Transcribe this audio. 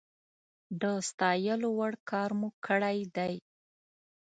د ستايلو وړ کار مو کړی دی